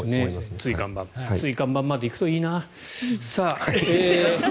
椎間板椎間板まで行くといいな。